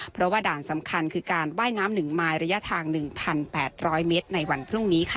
เพราะว่าด่านสำคัญคือการว่ายน้ำ๑มายระยะทาง๑๘๐๐เมตรในวันพรุ่งนี้ค่ะ